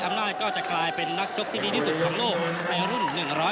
อำนาจก็จะกลายเป็นนักชกที่ดีที่สุดของโลกในรุ่น๑๐